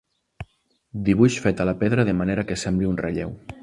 Dibuix fet a la pedra de manera que sembli un relleu.